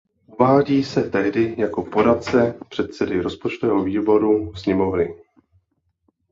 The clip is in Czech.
Uvádí se tehdy jako poradce předsedy rozpočtového výboru sněmovny.